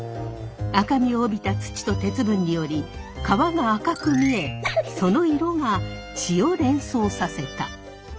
赤みを帯びた土と鉄分により川が赤く見えその色が血を連想させた。